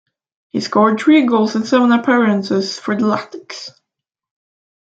He scored three goals in seven appearances for the Latics.